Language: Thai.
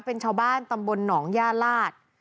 เป็นชาวบ้านตำบลหนองย่าลาศ